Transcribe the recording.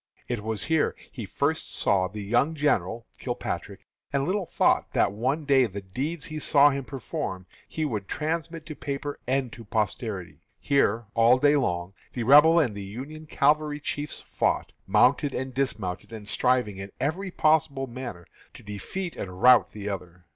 It was here he first saw the young general (Kilpatrick), and little thought that one day the deeds he saw him perform he would transmit to paper and to posterity. Here, all day long, the Rebel and the Union cavalry chiefs fought, mounted and dismounted, and striving in every manner possible to defeat and rout the other.